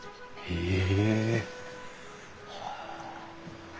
へえ！